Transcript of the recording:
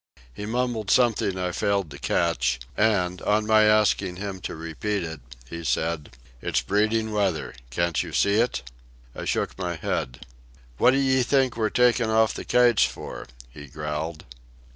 He mumbled something I failed to catch, and, on my asking him to repeat it, he said: "It's breeding weather. Can't you see it?" I shook my head. "What d'ye think we're taking off the kites for?" he growled.